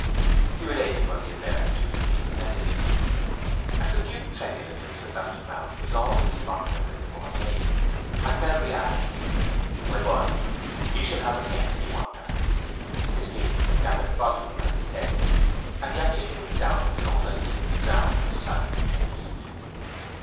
He related what he had learned of the new legal remedy. A subdued tremulousness about the mouth was all the response that Winterborne made; and Melbury added, "My boy, you shall have her yet—if you want her." His feelings had gathered volume as he said this, and the articulate sound of the old idea drowned his sight in mist.